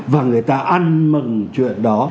và người ta ăn mừng chuyện đó